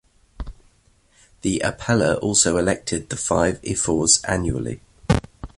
The apella also elected the five ephors annually.